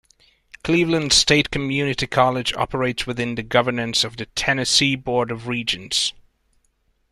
Cleveland State Community college operates within the governance of the Tennessee Board of Regents.